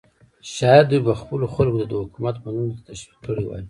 شاید دوی به خپلو خلکو ته د حکومت منلو ته تشویق کړي وای.